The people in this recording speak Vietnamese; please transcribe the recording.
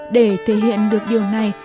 để thể hiện được điều này